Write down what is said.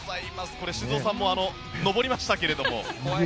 これ、修造さんも上りましたけれども。